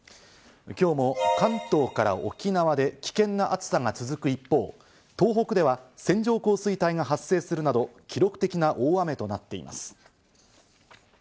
今日も関東から沖縄で危険な暑さが続く一方、東北では線状降水帯が発生するなど記録的な大雨となっています。